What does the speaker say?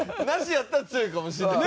やったら強いかもしれない。